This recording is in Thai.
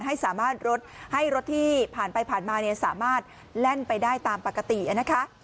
ให้สามารถรถให้รถที่ผ่านไปผ่านมาเนี่ยสามารถแล่นไปได้ตามปกตินะคะ